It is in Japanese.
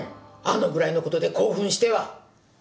あのぐらいのことで興奮しては。